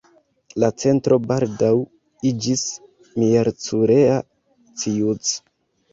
La centro baldaŭ iĝis Miercurea Ciuc.